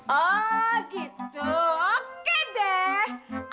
oh gitu oke deh